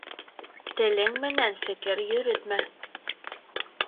Телең менән фекер йөрөтмә